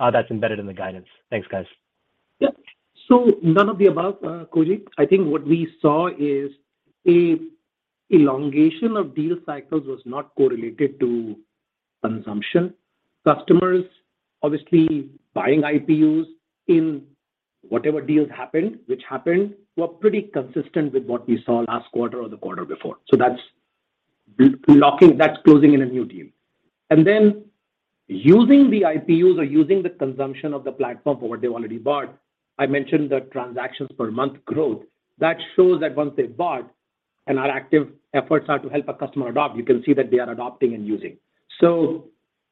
that's embedded in the guidance? Thanks, guys.
Yeah. None of the above, Koji. I think what we saw is an elongation of deal cycles was not correlated to consumption. Customers obviously buying IPUs in whatever deals happened were pretty consistent with what we saw last quarter or the quarter before. That's closing in a new deal. And then using the IPUs or using the consumption of the platform for what they wanted bought, I mentioned the transactions per month growth. That shows that once they've bought, and our active efforts are to help a customer adopt, you can see that they are adopting and using.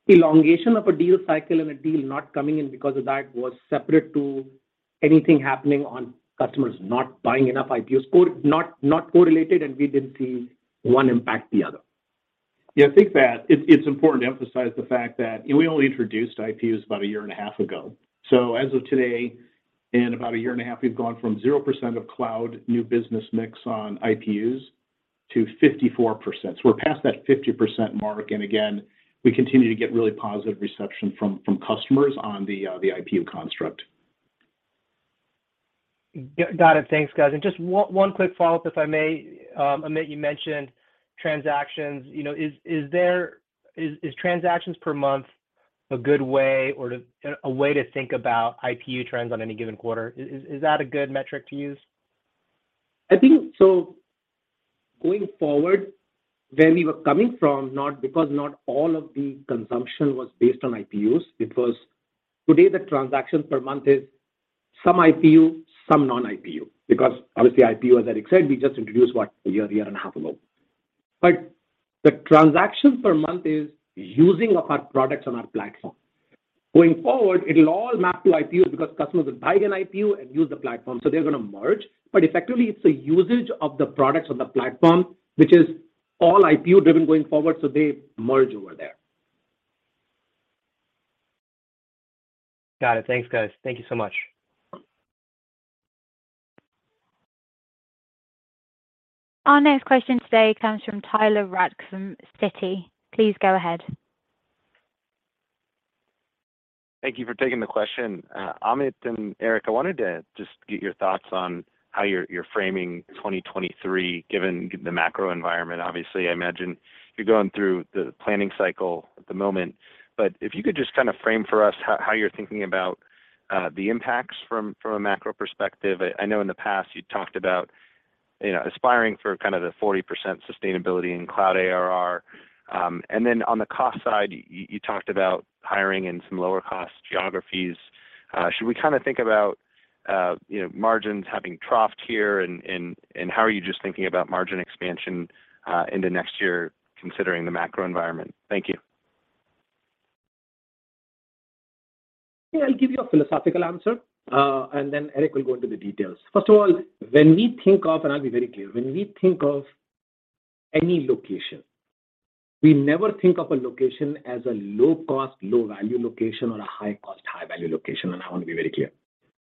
Elongation of a deal cycle and a deal not coming in because of that was separate to anything happening on customers not buying enough IPUs. Not correlated, and we didn't see one impact the other.
Yeah, I think that it's important to emphasize the fact that, you know, we only introduced IPUs about a year and a half ago. As of today, in about a year and a half, we've gone from 0% of cloud new business mix on IPUs to 54%. We're past that 50% mark, and again, we continue to get really positive reception from customers on the IPU construct.
Got it. Thanks, guys. Just one quick follow-up, if I may. Amit, you mentioned transactions. You know, is transactions per month a good way to think about IPU trends on any given quarter? Is that a good metric to use?
I think so going forward, where we were coming from, not because all of the consumption was based on IPUs. It was today the transactions per month is some IPU, some non-IPU. Because obviously IPU, as Eric said, we just introduced, what, a year and a half ago. But the transactions per month is using of our products on our platform. Going forward, it'll all map to IPUs because customers will buy an IPU and use the platform, so they're gonna merge. But effectively, it's the usage of the products on the platform, which is all IPU-driven going forward, so they merge over there.
Got it. Thanks, guys. Thank you so much.
Our next question today comes from Tyler Radke from Citi. Please go ahead.
Thank you for taking the question. Amit and Eric, I wanted to just get your thoughts on how you're framing 2023, given the macro environment. Obviously, I imagine you're going through the planning cycle at the moment. If you could just kind of frame for us how you're thinking about the impacts from a macro perspective. I know in the past you talked about, you know, aspiring for kind of the 40% sustainability in cloud ARR. And then on the cost side, you talked about hiring in some lower cost geographies. Should we kind of think about, you know, margins having troughed here, and how are you just thinking about margin expansion into next year, considering the macro environment? Thank you.
Yeah, I'll give you a philosophical answer, and then Eric will go into the details. First of all, when we think of any location, we never think of a location as a low-cost, low-value location or a high-cost, high-value location, and I want to be very clear.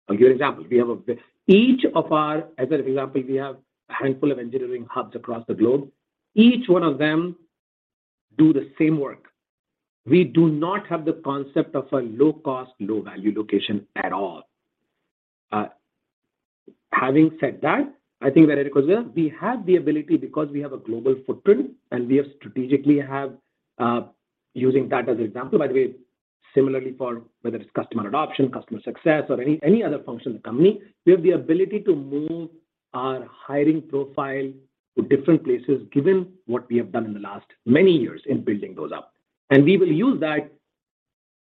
I'll be very clear. I'll give you an example. Each of our. As an example, we have a handful of engineering hubs across the globe. Each one of them do the same work. We do not have the concept of a low-cost, low-value location at all. Having said that, I think where Eric was going, we have the ability because we have a global footprint, and we have strategically have, using that as example. By the way, similarly for whether it's customer adoption, customer success, or any other function in the company, we have the ability to move our hiring profile to different places given what we have done in the last many years in building those up. We will use that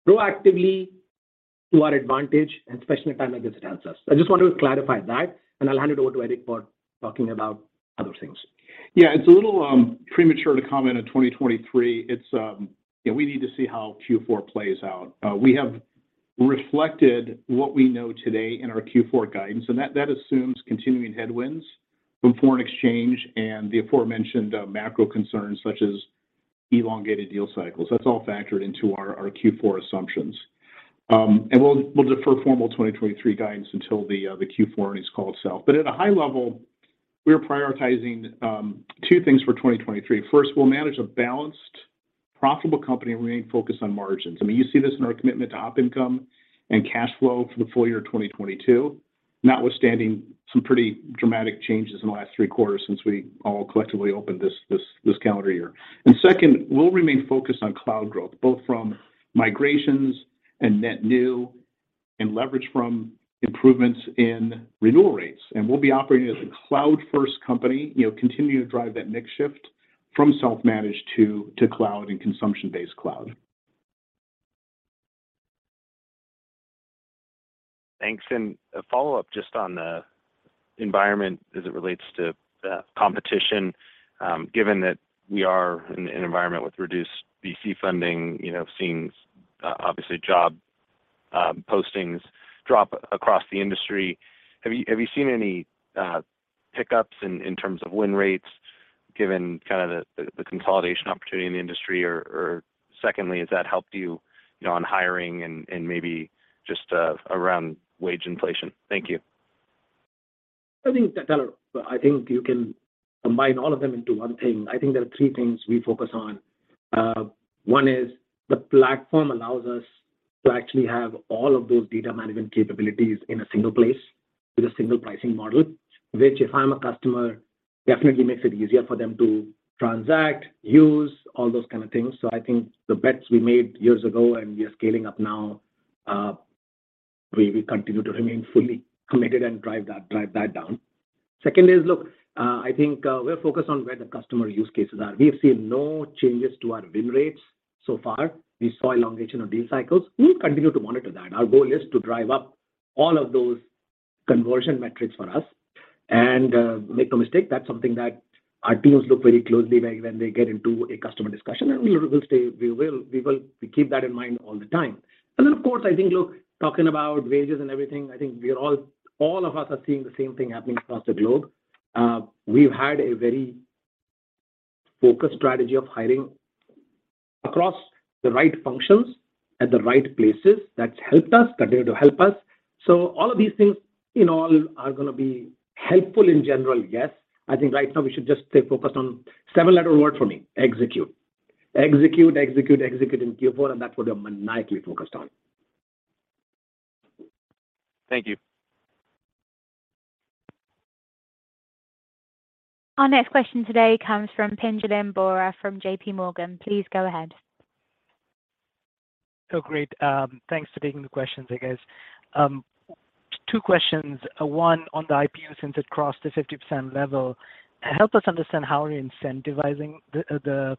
proactively to our advantage, and especially at a time like this it answers. I just wanted to clarify that, and I'll hand it over to Eric for talking about other things.
Yeah. It's a little premature to comment on 2023. You know, we need to see how Q4 plays out. We have reflected what we know today in our Q4 guidance, and that assumes continuing headwinds from foreign exchange and the aforementioned macro concerns, such as elongated deal cycles. That's all factored into our Q4 assumptions. We'll defer formal 2023 guidance until the Q4 earnings call itself. At a high level, we're prioritizing two things for 2023. First, we'll manage a balanced, profitable company and remain focused on margins. I mean, you see this in our commitment to op income and cash flow for the full year 2022, notwithstanding some pretty dramatic changes in the last three quarters since we all collectively opened this calendar year. Second, we'll remain focused on cloud growth, both from migrations and net new, and leverage from improvements in renewal rates. We'll be operating as a cloud-first company, you know, continuing to drive that mix shift from self-managed to cloud and consumption-based cloud.
Thanks. A follow-up just on the environment as it relates to competition. Given that we are in an environment with reduced VC funding, you know, seeing obviously job postings drop across the industry, have you seen any hiccups in terms of win rates given kind of the consolidation opportunity in the industry? Secondly, has that helped you you know on hiring and maybe just around wage inflation? Thank you.
I think you can combine all of them into one thing. I think there are three things we focus on. One is the platform allows us to actually have all of those data management capabilities in a single place with a single pricing model, which if I'm a customer, definitely makes it easier for them to transact, use, all those kind of things. I think the bets we made years ago, and we are scaling up now, we continue to remain fully committed and drive that down. Second is, look, we're focused on where the customer use cases are. We have seen no changes to our win rates so far. We saw elongation of deal cycles. We'll continue to monitor that. Our goal is to drive up all of those conversion metrics for us. Make no mistake, that's something that our teams look very closely when they get into a customer discussion. We keep that in mind all the time. Then of course, I think, look, talking about wages and everything, I think we are all of us are seeing the same thing happening across the globe. We've had a very focused strategy of hiring across the right functions at the right places. That's helped us, continue to help us. All of these things in all are gonna be helpful in general, yes. I think right now we should just stay focused on seven-letter word for me, execute in Q4, and that's what we're maniacally focused on.
Thank you.
Our next question today comes from Pinjalim Bora from JPMorgan. Please go ahead.
Oh, great. Thanks for taking the questions, I guess. Two questions. One on the IPU since it crossed the 50% level. Help us understand how you're incentivizing the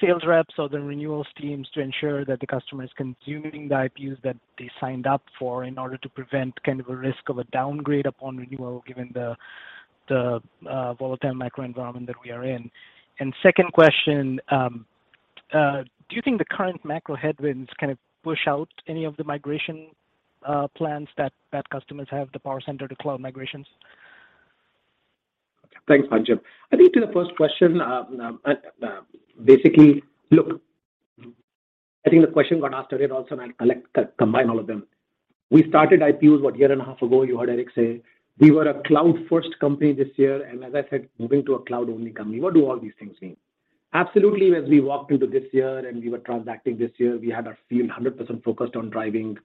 sales reps or the renewals teams to ensure that the customer is consuming the IPUs that they signed up for in order to prevent kind of a risk of a downgrade upon renewal given the volatile macro environment that we are in. Second question, do you think the current macro headwinds kind of push out any of the migration plans that customers have, the PowerCenter to cloud migrations?
Thanks, Pinjalim. I think to the first question. Look, I think the question got asked earlier also, and I'll combine all of them. We started IPUs, what, a year and a half ago, you heard Eric say. We were a cloud-first company this year, and as I said, moving to a cloud-only company. What do all these things mean? Absolutely, as we walked into this year and we were transacting this year, we had our field 100% focused on driving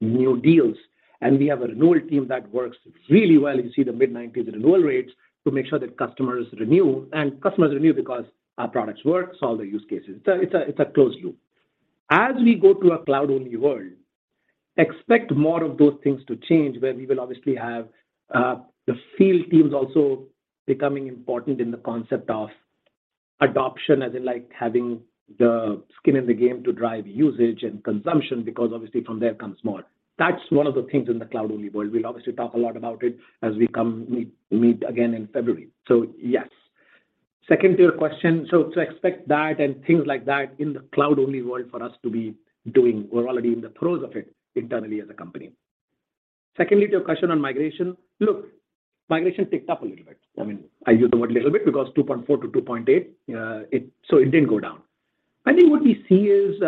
new deals. We have a renewal team that works really well, you see the mid-90s renewal rates, to make sure that customers renew. Customers renew because our products work, solve their use cases. It's a closed loop. As we go to a cloud-only world, expect more of those things to change, where we will obviously have the field teams also becoming important in the concept of adoption as in like having the skin in the game to drive usage and consumption, because obviously from there comes more. That's one of the things in the cloud-only world. We'll obviously talk a lot about it as we meet again in February. Yes. Second, to your question, to expect that and things like that in the cloud-only world for us to be doing, we're already in the throes of it internally as a company. Second, to your question on migration. Look, migration ticked up a little bit. I mean, I use the word a little bit because 2.4-2.8, so it didn't go down. I think what we see is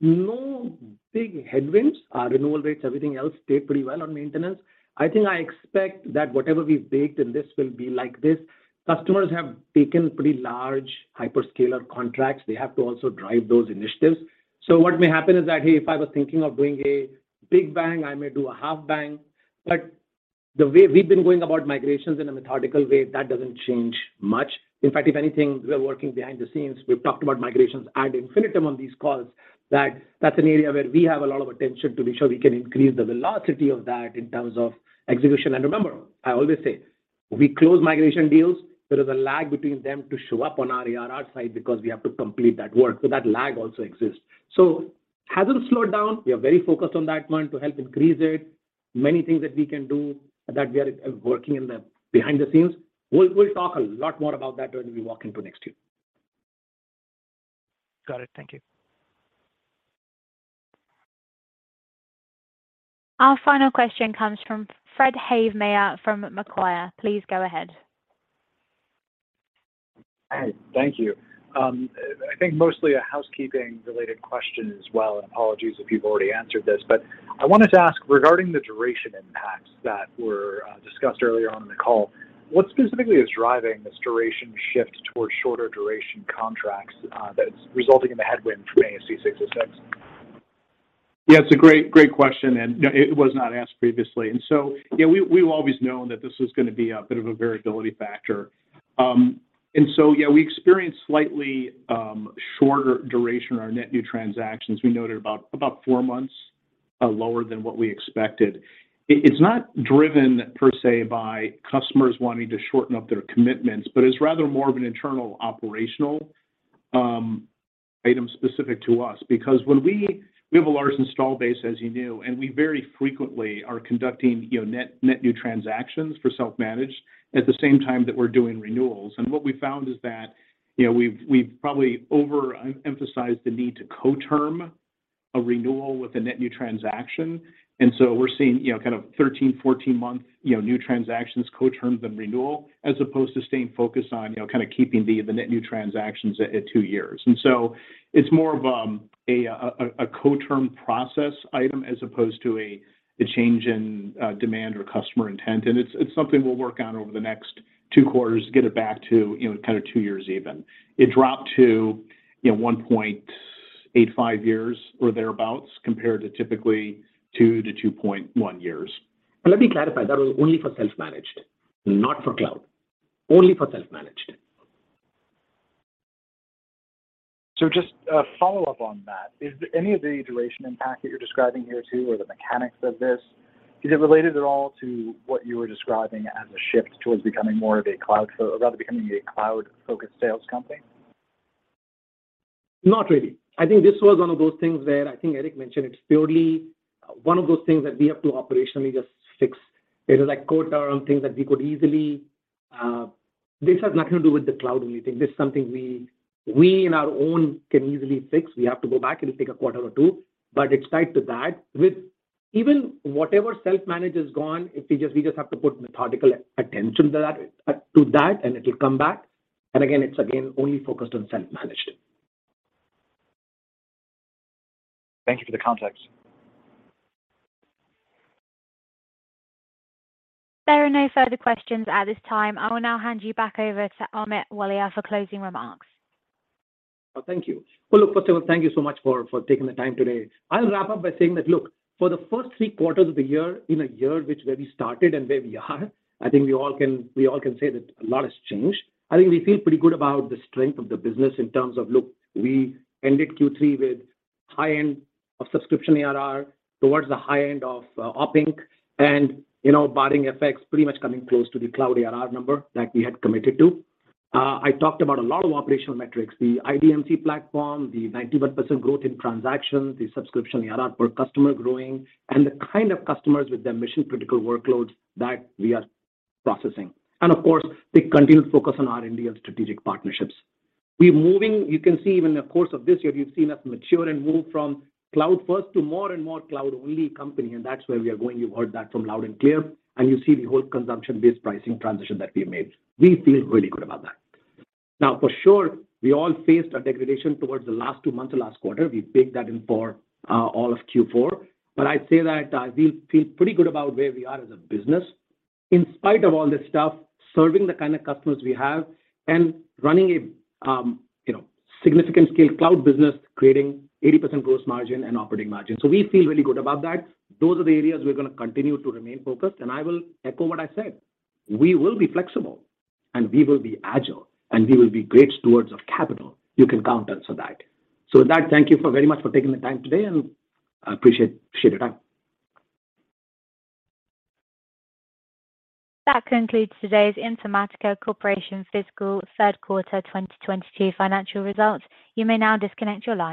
no big headwinds. Our renewal rates, everything else stayed pretty well on maintenance. I think I expect that whatever we've baked in this will be like this. Customers have taken pretty large hyperscaler contracts. They have to also drive those initiatives. What may happen is that, hey, if I was thinking of doing a big bang, I may do a half bang. The way we've been going about migrations in a methodical way, that doesn't change much. In fact, if anything, we are working behind the scenes. We've talked about migrations ad infinitum on these calls, that that's an area where we have a lot of attention to make sure we can increase the velocity of that in terms of execution. Remember, I always say, we close migration deals, there is a lag between them to show up on our ARR side because we have to complete that work. That lag also exists. Hasn't slowed down. We are very focused on that one to help increase it. Many things that we can do that we are working behind the scenes. We'll talk a lot more about that when we walk into next year.
Got it. Thank you.
Our final question comes from Fred Havemeyer from Macquarie. Please go ahead.
Hey, thank you. I think mostly a housekeeping related question as well, and apologies if you've already answered this. I wanted to ask regarding the duration impacts that were discussed earlier on in the call, what specifically is driving this duration shift towards shorter duration contracts, that's resulting in the headwind from ASC 606?
Yeah, it's a great question, and it was not asked previously. Yeah, we've always known that this was gonna be a bit of a variability factor. Yeah, we experienced slightly shorter duration or net new transactions. We noted about four months lower than what we expected. It's not driven per se by customers wanting to shorten up their commitments, but it's rather more of an internal operational item specific to us. Because we have a large installed base, as you knew, and we very frequently are conducting you know net new transactions for self-managed at the same time that we're doing renewals. What we found is that you know we've probably overemphasized the need to co-term a renewal with a net new transaction. We're seeing, you know, kind of 13-14 month, you know, new transactions co-term and renewal, as opposed to staying focused on, you know, kind of keeping the net new transactions at two years. It's more of a co-term process item as opposed to a change in demand or customer intent. It's something we'll work on over the next two quarters, get it back to, you know, kind of two years even. It dropped to, you know, 1.85 years or thereabouts, compared to typically 2-2.1 years.
Let me clarify, that was only for self-managed, not for cloud. Only for self-managed.
Just a follow-up on that. Is any of the duration impact that you're describing here too, or the mechanics of this, is it related at all to what you were describing as a shift towards becoming more of a cloud rather becoming a cloud-focused sales company?
Not really. I think this was one of those things where I think Eric mentioned, it's purely one of those things that we have to operationally just fix. It is like co-term on things that we could easily. This has nothing to do with the cloud-only thing. This is something we on our own can easily fix. We have to go back, it'll take a quarter or two. It's tied to that. Even with whatever self-managed is gone, if we just have to put methodical attention to that, and it'll come back. Again, it's only focused on self-managed.
Thank you for the context.
There are no further questions at this time. I will now hand you back over to Amit Walia for closing remarks.
Thank you. Well, look, first of all, thank you so much for taking the time today. I'll wrap up by saying that, look, for the first three quarters of the year, in a year where we started and where we are, I think we all can say that a lot has changed. I think we feel pretty good about the strength of the business in terms of, look, we ended Q3 with high-end subscription ARR towards the high end of our guidance. You know, barring effects, pretty much coming close to the cloud ARR number that we had committed to. I talked about a lot of operational metrics, the IDMC platform, the 91% growth in transactions, the subscription ARR per customer growing, and the kind of customers with their mission-critical workloads that we are processing. Of course, the continued focus on our R&D and strategic partnerships. We're moving. You can see even in the course of this year, you've seen us mature and move from cloud-first to more and more cloud-only company, and that's where we are going. You've heard that loud and clear. You see the whole consumption-based pricing transition that we made. We feel really good about that. Now, for sure, we all faced a degradation towards the last two months of last quarter. We baked that in for all of Q4. I'd say that we feel pretty good about where we are as a business. In spite of all this stuff, serving the kind of customers we have and running a you know, significant scale cloud business, creating 80% gross margin and operating margin. We feel really good about that. Those are the areas we're gonna continue to remain focused. I will echo what I said, we will be flexible, and we will be agile, and we will be great stewards of capital. You can count on us for that. With that, thank you very much for taking the time today, and I appreciate your time.
That concludes today's Informatica Corporation Fiscal Third Quarter 2022 financial results. You may now disconnect your lines.